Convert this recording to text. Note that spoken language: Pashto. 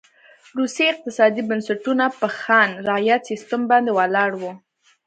روسي اقتصادي بنسټونه په خان رعیت سیستم باندې ولاړ و.